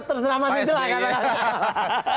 terserah mas rizal